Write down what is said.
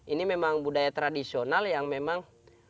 ini memang budaya tradisional yang memang